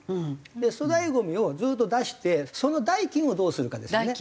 で粗大ゴミをずっと出してその代金をどうするかですよね。